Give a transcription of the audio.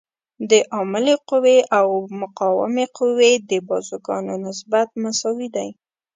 د عاملې قوې او مقاومې قوې د بازوګانو نسبت مساوي دی.